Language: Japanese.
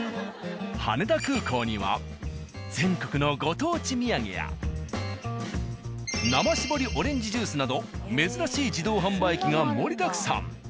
羽田空港には全国のご当地土産や生搾りオレンジジュースなど珍しい自動販売機が盛りだくさん。